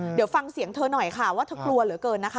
เดี๋ยวฟังเสียงเธอหน่อยค่ะว่าเธอกลัวเหลือเกินนะคะ